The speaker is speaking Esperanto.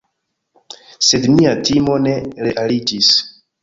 Sed mia timo ne realiĝis.